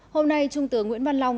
hôm nay trung tướng nguyễn văn long